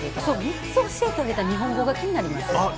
３つ教えてあげた日本語が気になります。